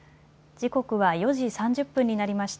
時刻は４時３０分になりました。